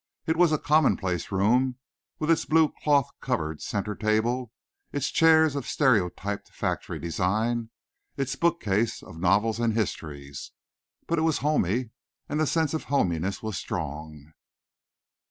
It was a commonplace room, with its blue cloth covered center table, its chairs of stereotyped factory design, and its bookcase of novels and histories, but it was homey, and the sense of hominess was strong.